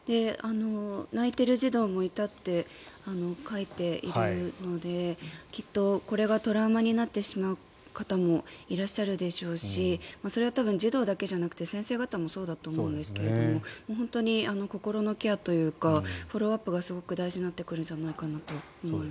泣いてる児童もいたって書いているのできっとこれがトラウマになってしまう方もいらっしゃるでしょうしそれは多分、児童だけじゃなくて先生方もそうだと思うんですが本当に心のケアというかフォローアップがすごく大事になってくるんじゃないかなと思います。